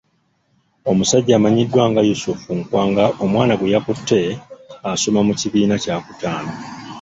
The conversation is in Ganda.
Omusajja amanyiddwa nga Yusuf Nkwanga omwana gwe yakutte asoma mu kibiina kyakutaano.